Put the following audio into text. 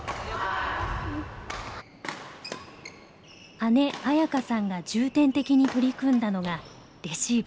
姉紋可さんが重点的に取り組んだのがレシーブ。